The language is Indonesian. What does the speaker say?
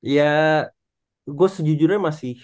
ya gue sejujurnya masih